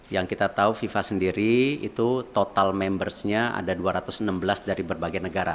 yang kita tahu fifa sendiri itu total membersnya ada dua ratus enam belas dari berbagai negara